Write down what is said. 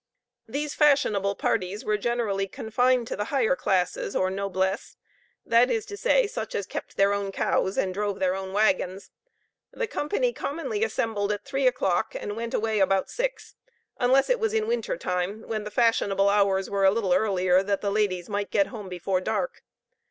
These fashionable parties were generally confined to the higher classes, or noblesse: that is to say, such as kept their own cows and drove their own waggons. The company commonly assembled at three o'clock, and went away about six, unless it was in winter time, when the fashionable hours were a little earlier, that the ladies might get home before dark.